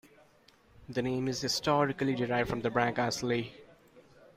The name is historically derived from Branca's Leigh.